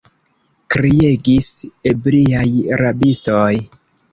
kriegis ebriaj rabistoj.